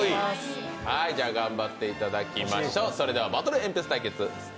頑張っていただきましょう。